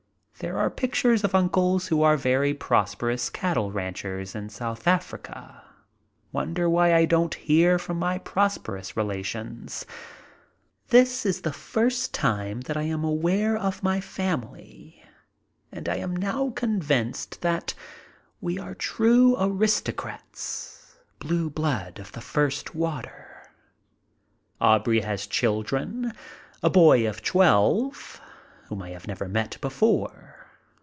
There are pictures of uncles who are very prosperous cattle ranchers in South Africa. Wonder why I don't hear from my prosp^erous relations. This is the first time that I am aware of my family and I am now convinced that we are true aristocrats, blue blood of the first water. Aubrey has children, a boy of twelve, whom I have never met before.